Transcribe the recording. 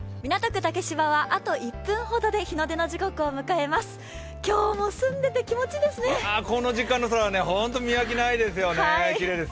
竹芝はあと１分ほどで日の出の時刻を迎えます。